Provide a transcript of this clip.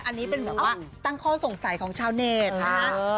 อันนี้เป็นแบบว่าตั้งข้อสงสัยของชาวเน็ตนะฮะ